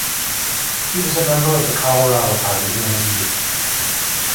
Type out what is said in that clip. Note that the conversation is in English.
He was a member of the Colorado Party, in his youth.